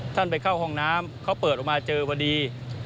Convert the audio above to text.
ท่านไปเข้าห้องน้ำเขาเปิดออกมาเจอพอดี